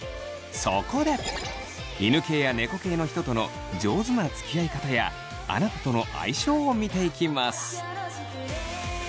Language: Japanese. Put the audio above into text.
そこで犬系や猫系の人との上手なつきあい方やあなたとの相性を見ていきます。